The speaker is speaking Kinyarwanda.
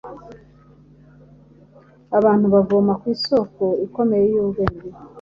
Abantu bavoma ku Isoko ikomeye y’ubwenge,